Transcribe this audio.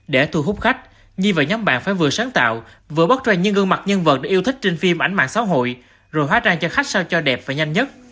để thu hút khách nhi và nhóm bạn phải vừa sáng tạo vừa bắt ra những gương mặt nhân vật đã yêu thích trên phim ảnh mạng xã hội rồi hóa trang cho khách sao cho đẹp và nhanh nhất